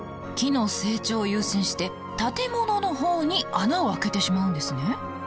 木の成長を優先して建物の方に穴を開けてしまうんですね。